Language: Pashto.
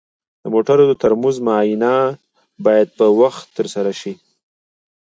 د موټرو د ترمز معاینه باید په وخت ترسره شي.